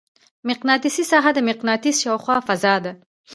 مقناطیسي ساحه د مقناطیس شاوخوا فضا ده.